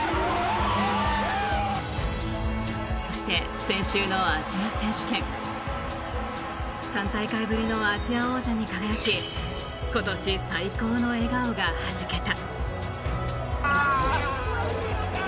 そして、先週のアジア選手権３大会ぶりのアジア王者に輝き今年最高の笑顔がはじけた。